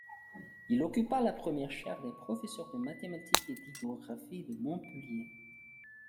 Il occupa la première chaire de professeur de mathématiques et d'hydrographie de Montpellier.